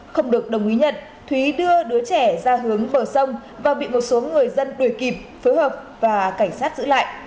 không được đồng ý nhận thúy đưa đứa trẻ ra hướng vừa sông và bị một số người dân đuổi kịp phối hợp và cảnh sát giữ lại